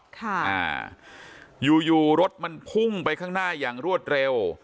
ค่ะอ่าอยู่อยู่รถมันพุ่งไปข้างหน้าอย่างรวดเร็ว